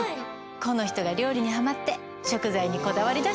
この人が料理にハマって食材にこだわり出しちゃって。